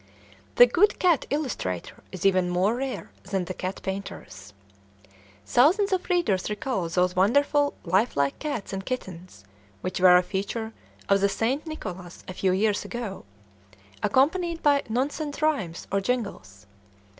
The good cat illustrator is even more rare than the cat painters. Thousands of readers recall those wonderfully lifelike cats and kittens which were a feature of the St. Nicholas a few years ago, accompanied by "nonsense rhymes" or "jingles."